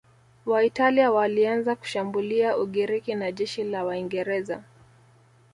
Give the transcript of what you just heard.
Waitalia walianza kushambulia Ugiriki na jeshi la Waingereza